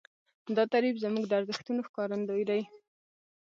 دا تعریف زموږ د ارزښتونو ښکارندوی دی.